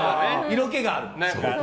色気がある。